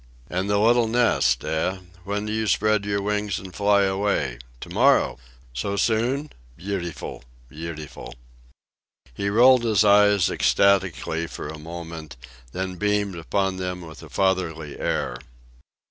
"And the little nest, eh?" he queried. "When do you spread your wings and fly away? To morrow! So soon? Beautiful! Beautiful!" He rolled his eyes ecstatically for a moment, then beamed upon them with a fatherly air.